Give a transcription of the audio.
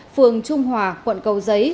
phường trung hòa quận cầu giấy